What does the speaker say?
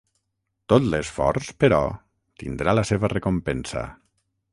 Tot l'esforç, però, tindrà la seva recompensa.